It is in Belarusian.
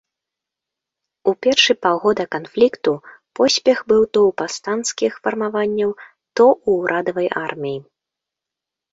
У першы паўгода канфлікту поспех быў то ў паўстанцкіх фармаванняў, то ў урадавай арміі.